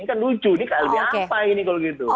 ini kan lucu ini klb apa ini kalau gitu